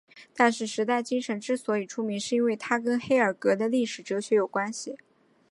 但是时代精神之所以出名是因为它跟黑格尔的历史哲学有关系。